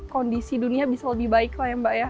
kondisi dunia bisa lebih baik lah ya mbak ya